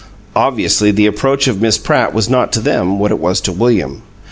Obviously, the approach of Miss Pratt was not to them what it was to William.